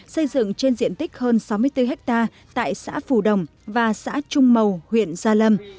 xây dựng trên diện tích hơn sáu mươi bốn hectare tại xã phù đồng và xã trung mầu huyện gia lâm